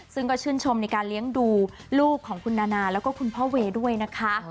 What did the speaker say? ซึ่งก็ชื่นชมในการเลี้ยงดูลูกของคุณนานาแล้วก็คุณพ่อเวย์ด้วยนะคะ